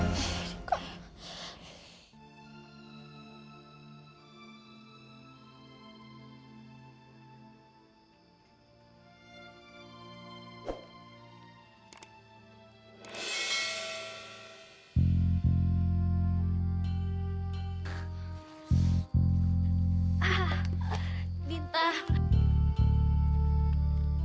mereka cuma untuk ikut kesehatan